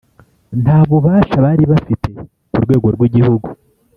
nta bubasha bari bafite ku rwego rwigihugu.